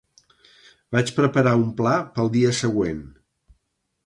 Vaig preparar un pla pel dia següent.